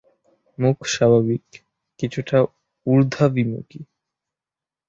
মুখ স্বাভাবিক, কিছুটা উর্ধাভিমুখী।